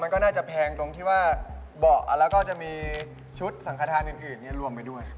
มันก็น่าจะแพงตรงที่ว่าเบาะแล้วก็จะมีชุดสังขทานอื่นรวมไปด้วย